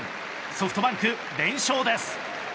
ソフトバンク連勝です。